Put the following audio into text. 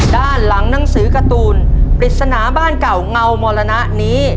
ด้านหลังหนังสือการ์ตูนปริศนาบ้านเก่าเงามรณะนี้